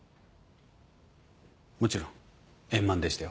もちろん円満でしたよ。